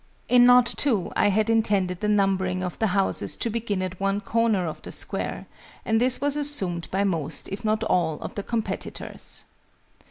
In Knot II., I had intended the numbering of the houses to begin at one corner of the Square, and this was assumed by most, if not all, of the competitors.